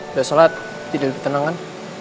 udah sholat tidur tenang kan